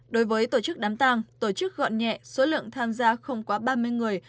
đối với tổ chức đám tàng tổ chức gọn nhẹ số lượng tham gia không quá ba mươi người